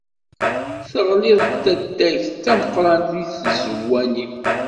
Teɣli-d taddagt d tameqqrant deg tzawwa-nni.